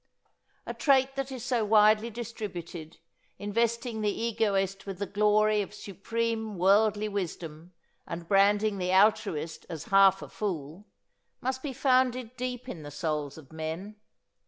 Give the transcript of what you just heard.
A trait that is so widely distributed, investing the egoist with the glory of supreme worldly wisdom and branding the altruist as half a fool, must be founded deep in the souls of men.